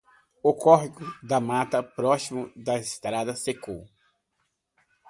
O córrego da mata, proximo da estrada, secou.